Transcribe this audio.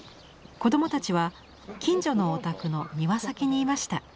子どもたちは近所のお宅の庭先にいました。